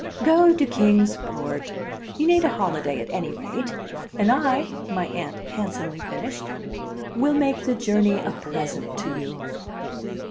"Go to Kings Port. You need a holiday, at any rate. And I," my Aunt handsomely finished, "will make the journey a present to you."